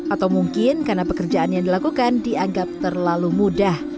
atau mungkin karena pekerjaan yang dilakukan dianggap terlalu mudah